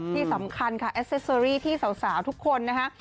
ที่สำคัญค่ะแอสเซอรี่ที่สาวทุกคนนะคะ